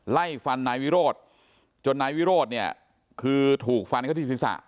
ไล่ฟันนายวิโรธจนนายวิโรธถูกฟันก็ที่ศิษฐะ